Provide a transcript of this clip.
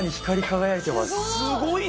すごい。